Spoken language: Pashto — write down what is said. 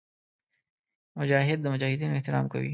مجاهد د مجاهدینو احترام کوي.